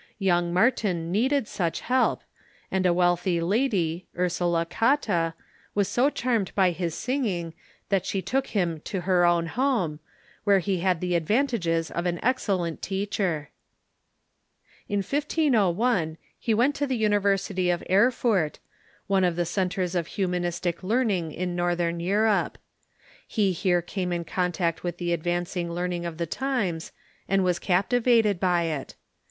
Young Martin needed such help, and a Avealthy lady, Ursula Cotta, was so charmed by his singing that she took iiim to her own home, where he had the advantages of an excellent teacher. In 1501 he went to the University of Erfurt, one of the cen tres of Humanistic learning in Northern Europe. He here THE REFORMATIOX IN GERMANY 217 came in contact with the advancing learning of the times, and was captivated by it.